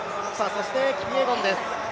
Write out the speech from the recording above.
そしてキピエゴンです。